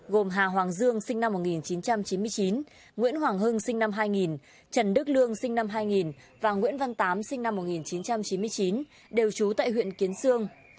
gồm hà hoàng dương sinh năm một nghìn chín trăm chín mươi chín nguyễn hoàng hưng sinh năm hai nghìn trần đức lương sinh năm hai nghìn và nguyễn văn tám sinh năm một nghìn chín trăm chín mươi chín đều trú tại huyện kiến sương